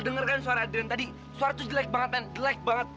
lo denger kan suara adrian tadi suara tuh jelek banget men jelek banget